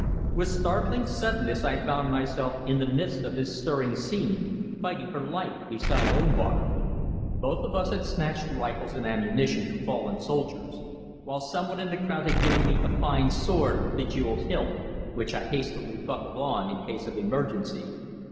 With startling suddenness I found myself in the midst of this stirring scene, fighting for life beside Omar. Both of us had snatched rifles and ammunition from fallen soldiers, while someone in the crowd had given me a fine sword with bejewelled hilt, which I hastily buckled on in case of emergency.